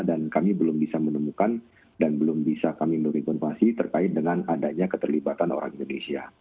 dan kami belum bisa menemukan dan belum bisa kami mendukung konfirmasi terkait dengan adanya keterlibatan orang indonesia